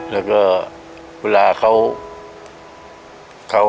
แล้วก็เวลาเขา